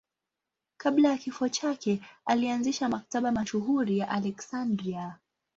Kabla ya kifo chake alianzisha Maktaba mashuhuri ya Aleksandria.